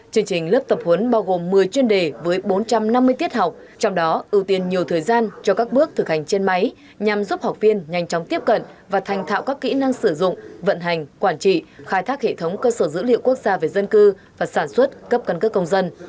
chương trình lớp tập huấn bao gồm một mươi chuyên đề với bốn trăm năm mươi tiết học trong đó ưu tiên nhiều thời gian cho các bước thực hành trên máy nhằm giúp học viên nhanh chóng tiếp cận và thành thạo các kỹ năng sử dụng vận hành quản trị khai thác hệ thống cơ sở dữ liệu quốc gia về dân cư và sản xuất cấp căn cước công dân